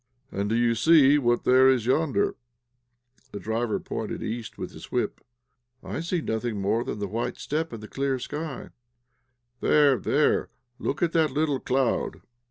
"And do you see what there is yonder?" The driver pointed east with his whip. "I see nothing more than the white steppe and the clear sky." "There, there; look, that little cloud!"